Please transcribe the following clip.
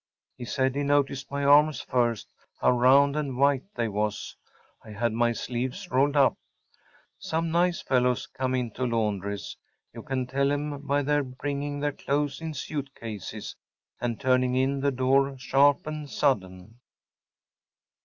He said he noticed my arms first, how round and white they was. I had my sleeves rolled up. Some nice fellows come into laundries. You can tell ’em by their bringing their clothes in suit cases; and turning in the door sharp and sudden.